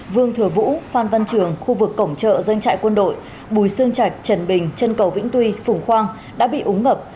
vương thừa vũ phan văn trường khu vực cổng chợ doanh trại quân đội bùi sương trạch trần bình trân cầu vĩnh tuy phùng khoang đã bị úng ngập